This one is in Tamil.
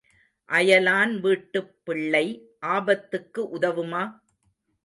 அயலான் வீட்டுப் பிள்ளை ஆபத்துக்கு உதவுமா?